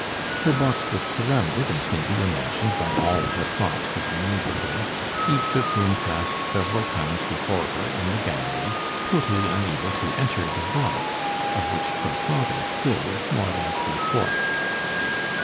Her box was surrounded, as may be imagined, by all the fops of the neighborhood, each of whom passed several times before her in the gallery, totally unable to enter the box, of which her father filled more than three fourths.